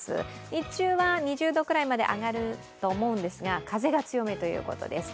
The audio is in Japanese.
日中は２０度ぐらいまで上がると思うんですが風が強めということです。